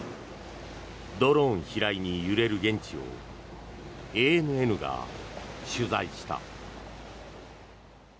ドローン飛来に揺れる現地をＡＮＮが取材した。